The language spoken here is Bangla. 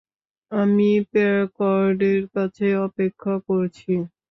আমি প্যাকার্ডের কাছে অপেক্ষা করছি।